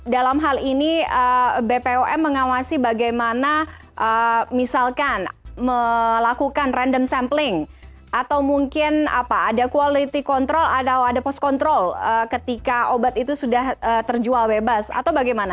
dalam hal ini bpom mengawasi bagaimana misalkan melakukan random sampling atau mungkin ada quality control atau ada post control ketika obat itu sudah terjual bebas atau bagaimana